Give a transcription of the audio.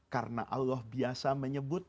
karena allah biasa menyebut